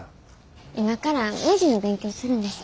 今からねじの勉強するんです。